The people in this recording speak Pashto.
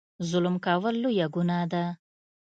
ظلم کول لویه ګناه ده.